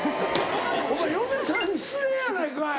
お前嫁さんに失礼やないかい！